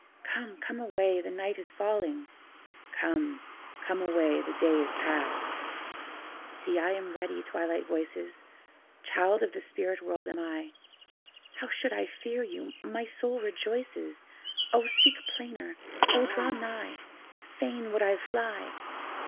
Come, come away, the night is falling; 'Come, come away, the day is past.' See, I am ready, Twilight voices! Child of the spirit world am I; How should I fear you? my soul rejoices, O speak plainer! O draw nigh! Fain would I fly!